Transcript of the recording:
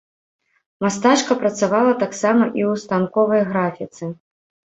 Мастачка працавала таксама і ў станковай графіцы.